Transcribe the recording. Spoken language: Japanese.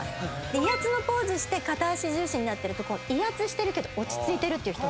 で威圧のポーズして片脚重心になってると威圧してるけど落ち着いてる。